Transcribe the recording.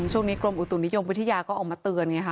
ช่วงนี้กรมอุตุนิยมวิทยาก็ออกมาเตือนไงค่ะ